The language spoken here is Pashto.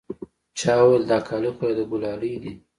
چا وويل دا کالي خو يې د ګلالي دي.